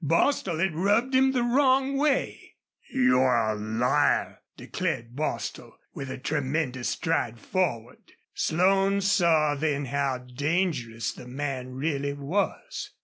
Bostil had rubbed him the wrong way. "You're a lair!" declared Bostil, with a tremendous stride forward. Slone saw then how dangerous the man really was.